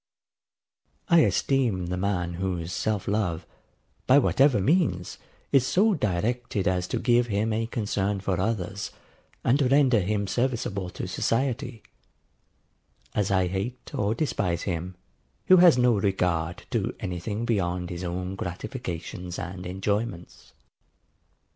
I esteem the man whose self love, by whatever means, is so directed as to give him a concern for others, and render him serviceable to society: as I hate or despise him, who has no regard to any thing beyond his own gratifications and enjoyments.